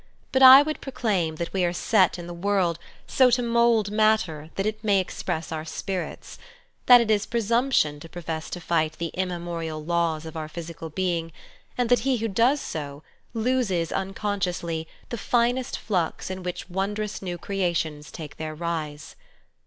But I would proclaim that we are set in the world so to mould matter that it may express our spirits; that it is presumption to pro fess to fight the immemorial laws of our physical being, and that he who does so loses unconsciously the finest flux in which wondrous new creations take their rise.